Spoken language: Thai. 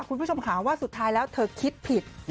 คุณผู้ชมค่ะว่าสุดท้ายแล้วเธอคิดผิด